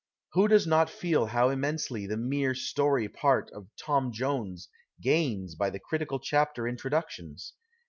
Who does not feel how immensely the mere story part of " Tom Jones " gains by the critical chapter introductions